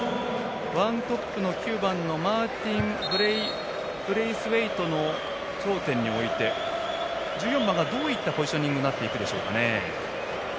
ワントップに９番マーティン・ブレイスウェイトを頂点に置いて、１４番がどういったポジショニングになっていくでしょうかね。